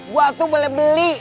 gue tuh boleh beli